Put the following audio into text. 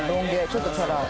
ちょっとチャラい」